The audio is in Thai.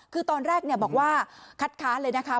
คือตอนแรกบอกว่าคัดค้านเลยนะคะ